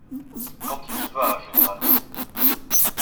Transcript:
Quand il y va, généralement…